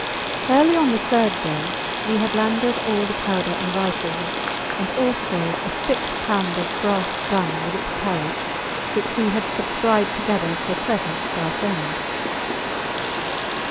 Early on the third day we had landed all the powder and rifles, and also a six pounder brass gun with its carriage which we had subscribed together for a present for our friend.